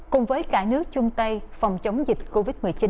cùng với cả nước chung tay phòng chống dịch covid một mươi chín